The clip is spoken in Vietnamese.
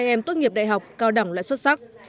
bốn mươi hai em tốt nghiệp đại học cao đẳng loại xuất sắc